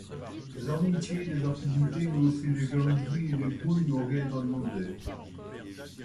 Les amitiés, les affinités mais aussi les jalousies et les brouilles n'ont rien d'anodin.